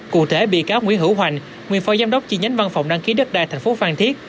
cụ thể bị cáo nguyễn hữu hoành nguyên phó giám đốc chi nhánh văn phòng đăng ký đất đai tp phan thiết